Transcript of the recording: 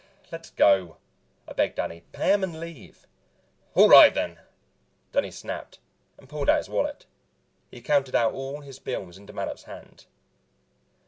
"Let's go," I begged Danny. "Pay him and leave." "All right then!" Danny snapped, and pulled out his wallet. He counted out all his bills into Mattup's hand.